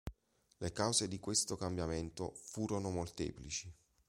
Le cause di questo cambiamento furono molteplici.